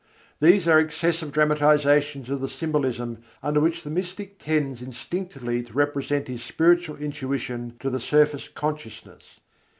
These are excessive dramatizations of the symbolism under which the mystic tends instinctively to represent his spiritual intuition to the surface consciousness.